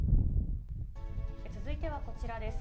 続いてはこちらです。